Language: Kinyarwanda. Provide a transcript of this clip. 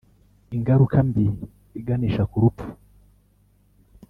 ingaruka mbi iganisha ku rupfu